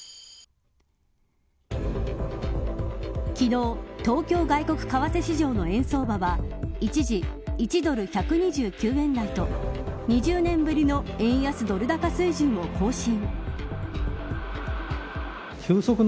昨日、東京外国為替市場の円相場は一時１ドル１２９円台と２０年ぶりの円安ドル高水準を更新。